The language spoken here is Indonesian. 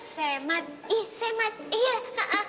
semat ih semat iya